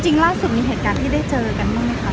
จริงล่าสุดมีเหตุการณ์ที่ได้เจอกันไม่มีครับ